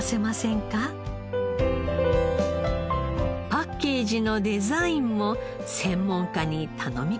パッケージのデザインも専門家に頼み込みました。